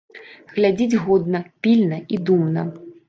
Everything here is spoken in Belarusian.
Глядзіць годна, пільна і думна.